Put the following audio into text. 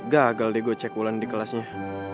gagal deh gue cek ulang di kelasnya